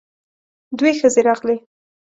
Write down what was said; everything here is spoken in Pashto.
دوې ښځې راغلې.